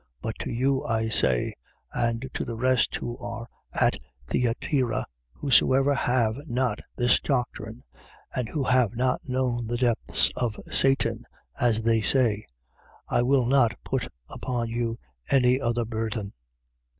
But to you I say 2:24. And to the rest who are at Thyatira: Whosoever have not this doctrine and who have not known the depths of Satan, as they say: I will not put upon you any other burthen.